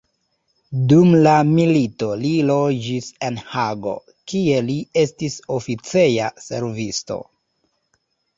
Dum la milito li loĝis en Hago, kie li estis oficeja servisto.